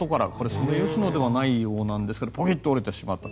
ソメイヨシノではないようなんですがポキッと折れてしまった。